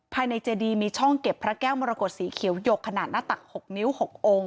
ภายในเจดีมีช่องเก็บพระแก้วมรกฏสีเขียวหยกขนาดหน้าตัก๖นิ้ว๖องค์